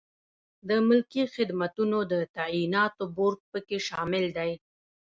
د ملکي خدمتونو د تعیناتو بورد پکې شامل دی.